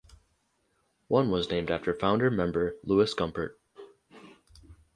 One was named after founder member Louis Gumpert.